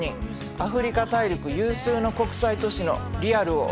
アフリカ大陸有数の国際都市のリアルをお届けするで。